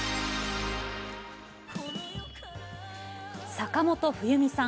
坂本冬美さん